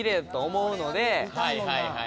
はいはいはい。